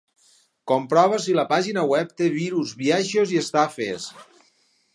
Comprova si la pàgina web té virus, biaixos i estafes.